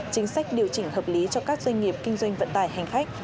chính sách điều chỉnh hợp lý cho các doanh nghiệp kinh doanh vận tải hành khách